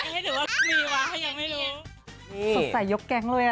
สดใสยกแก๊งเลย